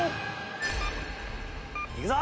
いくぞ！